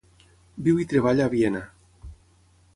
Viu i treballa a Viena.